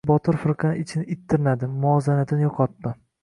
Botir firqani ichini it tirnadi. Muvozanatini yo‘qotdi.